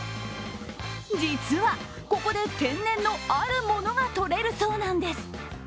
実は、ここで天然のあるものがとれるそうなんです。